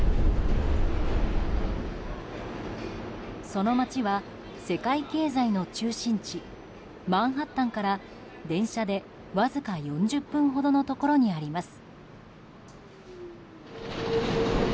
その町は、世界経済の中心地マンハッタンから電車でわずか４０分ほどのところにあります。